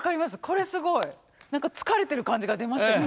これすごい。何か疲れてる感じが出ましたよね